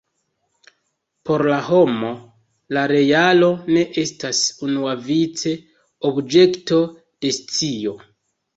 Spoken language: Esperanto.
Por la homo la realo ne estas unuavice objekto de scio.